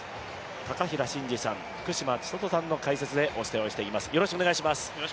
高平慎士さん、福島千里さんの解説でお送りしてまいります。